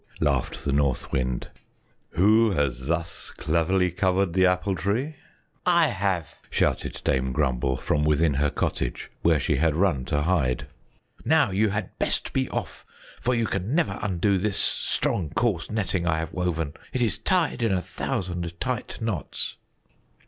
laughed the North Wind, "who has thus cleverly covered the Apple Tree?" "I have!" shouted Dame Grumble from within her cottage, where she had run to hide. "Now you had best be off, for you can never undo this strong, coarse netting I have woven; it is tied in a thousand tight knots!"